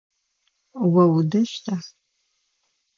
О удэщта?